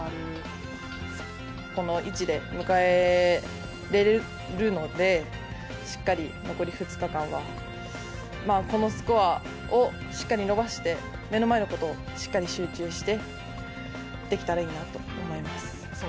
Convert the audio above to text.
この位置で迎えれるので、しっかり残り２日間は、このスコアをしっかり伸ばして、目の前のことをしっかり集中してできたらいいなと思います。